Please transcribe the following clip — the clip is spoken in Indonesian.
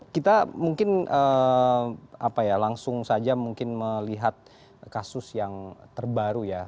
kita mungkin langsung saja melihat kasus yang terbaru